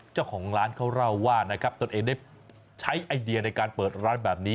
เจ้าของร้านเขาเล่าว่านะครับตนเองได้ใช้ไอเดียในการเปิดร้านแบบนี้